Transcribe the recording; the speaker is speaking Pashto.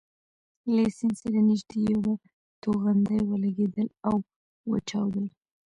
له سیند سره نژدې یوه توغندۍ ولګېدل او وچاودل.